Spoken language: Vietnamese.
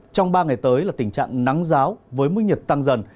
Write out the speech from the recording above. trong ba ngày tới là tình trạng nắng giáo với mức nhiệt tăng dần